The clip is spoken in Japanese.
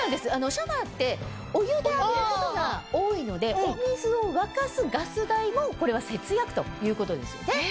シャワーってお湯で浴びることが多いのでお水を沸かすガス代もこれは節約ということですよね。